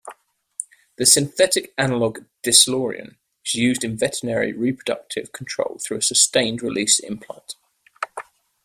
The synthetic analogue Deslorelin is used in veterinary reproductive control through a sustained-release implant.